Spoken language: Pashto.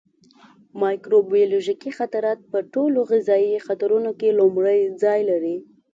مایکروبیولوژیکي خطرات په ټولو غذایي خطرونو کې لومړی ځای لري.